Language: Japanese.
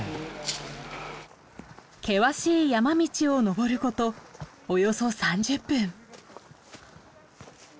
険しい山道を登ることおよそ３０分。